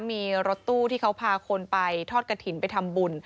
มีรถตู้ที่เขาพาคนไปทอดกระถิ่นไปทำบุญ